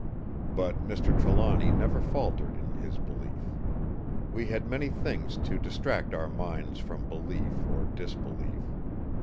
But Mr. Trelawny never faltered in his belief. We had many things to distract our minds from belief or disbelief.